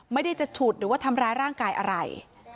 ไม่ได้จะฉุดหรือว่าทำร้ายร่างกายอะไร